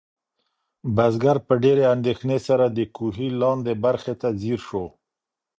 بزګر په ډېرې اندېښنې سره د کوهي لاندې برخې ته ځیر شو.